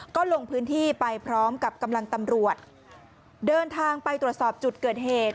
ก็ลงพื้นที่ไปพร้อมกับกำลังตำรวจเดินทางไปตรวจสอบจุดเกิดเหตุ